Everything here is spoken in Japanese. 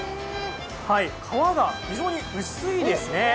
皮が非常に薄いですね。